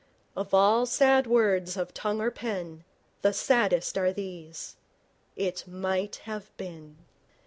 Of all sad words of tongue or pen, the saddest are these, 'It might have been.'